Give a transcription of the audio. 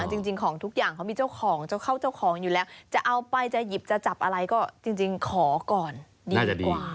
จริงของทุกอย่างเขามีเจ้าของเจ้าเข้าเจ้าของอยู่แล้วจะเอาไปจะหยิบจะจับอะไรก็จริงขอก่อนดีกว่า